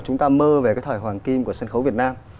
chúng ta mơ về cái thời hoàng kim của sân khấu việt nam